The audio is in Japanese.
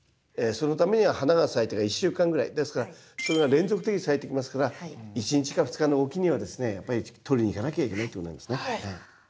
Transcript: そのためには花が咲いてから１週間ぐらいですからそれが連続的に咲いていきますから１日か２日置きにはですねやっぱり取りに行かなきゃいけないっていうことになりますね。